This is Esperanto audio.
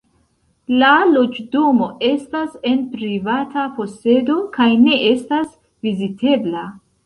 La loĝdomo estas en privata posedo kaj ne estas vizitebla.